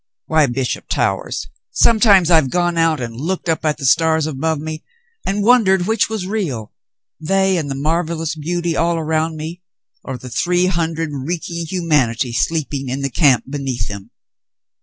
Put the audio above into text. Why, Bishop Towers, sometimes I've gone out and looked up at the stars above me and wondered which was real, they and the mar vellous beauty all around me, or the three hundred reeking humanity sleeping in the camp beneath them.